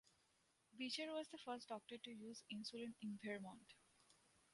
Beecher was the first doctor to use insulin in Vermont.